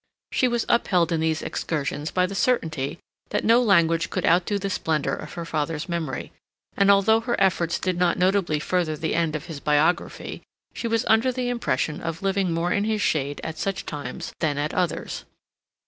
She was upheld in these excursions by the certainty that no language could outdo the splendor of her father's memory, and although her efforts did not notably further the end of his biography, she was under the impression of living more in his shade at such times than at others.